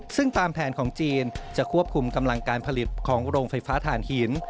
ซึ่งตามแผนของจีนจะควบคุมกำลังการผลิตของโรงไฟฟ้าฐานหิน